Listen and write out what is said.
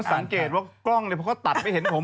ผมสังเกตว่ากล้องเลยก็ตัดไปเห็นผม